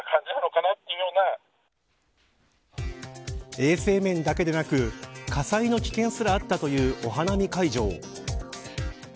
衛生面だけでなく火災の危険すらあったというお花見会場。